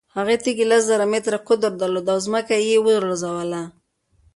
هغې تیږې لس زره متره قطر درلود او ځمکه یې ولړزوله.